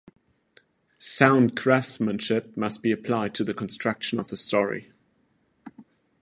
Sound craftsmanship must be applied to the construction of the story.